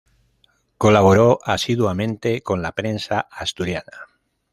Colaboró asiduamente con la prensa asturiana.